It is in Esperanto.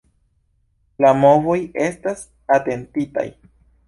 La movoj estas atentitaj.